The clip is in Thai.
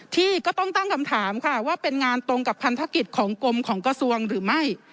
ที่ก็ต้องตั้งคำถามค่ะว่าเป็นงานตรงกับพันธกิจของกรมของกระทรวงหรือไม่